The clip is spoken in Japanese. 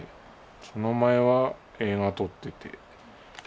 その前は映画撮ってて。